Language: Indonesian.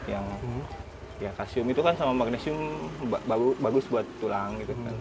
yang ya kalsium itu kan sama magnesium bagus buat tulang